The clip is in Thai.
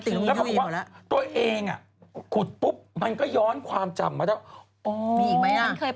แล้วแบบตัวเองคุดปุ๊บมันก็ย้อนความจำไปเรียก